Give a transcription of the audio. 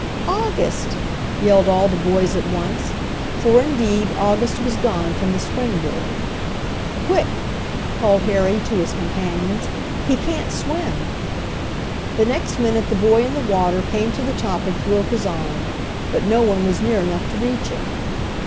"August!" yelled all the boys at once, for indeed August was gone from the springboard. "Quick!" called Harry to his companions. "He can't swim!" The next minute the boy in the water came to the top and threw up his arm. But no one was near enough to reach it.